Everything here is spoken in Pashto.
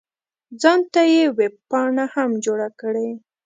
ځان ته یې ویبپاڼه هم جوړه کړې.